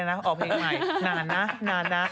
เอาเพลงใหม่นานนะ